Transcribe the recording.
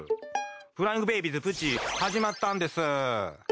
フライングベイビーズプチ始まったんです。